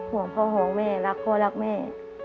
ห่วงพ่อห่วงแม่รักพ่อรักแม่